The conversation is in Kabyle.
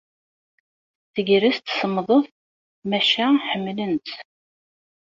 Tagrest semmḍet, maca ḥemmlen-tt.